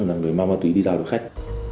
là người mang ma túy đi giao cho khách